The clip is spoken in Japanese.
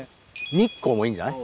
日光もいいんじゃない？